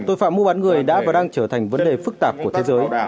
tội phạm mua bán người đã và đang trở thành vấn đề phức tạp của thế giới